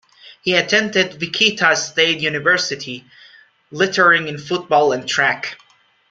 He attended Wichita State University, lettering in football and track.